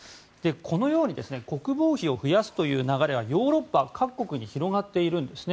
このように国防費を増やすという流れはヨーロッパ各国に広がっているんです。